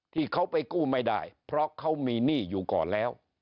ที่เขาไปกู้ไม่ได้เพราะเขามีหนี้อยู่ก่อนแล้ว